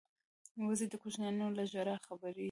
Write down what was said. وزې د کوچنیانو له ژړا خبریږي